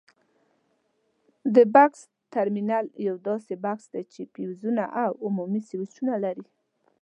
د بکس ترمینل یوه داسې بکس ده چې فیوزونه او عمومي سویچونه لري.